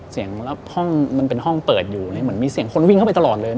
เสียงมันเป็นห้องเปิดอยู่มีเสียงคนวิ่งเข้าไปตลอดเลย